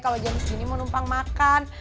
kalo jadi gini mau numpang makan